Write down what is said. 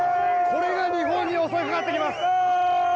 これが日本に襲いかかってきます。